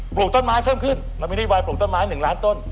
ปลูกต้นไม้เพิ่มขึ้นเรามีนโยบายปลูกต้นไม้๑ล้านต้น